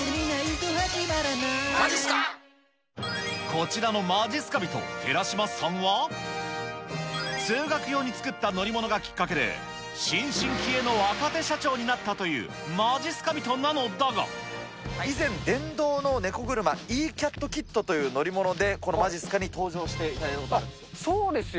こちらのまじっすか人、寺嶋さんは、通学用に作った乗り物がきっかけで、新進気鋭の若手社長になったという、以前、電動のネコ車、Ｅキャットキットという乗り物で、このまじっすかに登場していただいたことがあるんです。